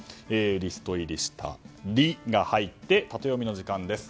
リスト入りした「リ」が入ってタテヨミの時間です。